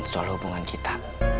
soal hubungan kita